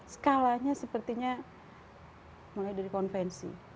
skalanya sepertinya mulai dari konvensi